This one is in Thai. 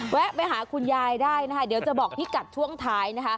แวะไปหาคุณยายได้เดี๋ยวจะบอกที่กัดช่วงท้าย